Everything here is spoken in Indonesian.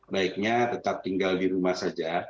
baiknya tetap tinggal di rumah saja